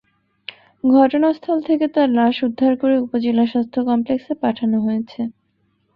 ঘটনাস্থল থেকে তাঁর লাশ উদ্ধার করে উপজেলা স্বাস্থ্য কমপ্লেক্সে পাঠানো হয়েছে।